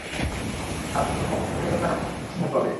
তারপর বকবকানি করার মতো পর্যাপ্ত সময় পাবে।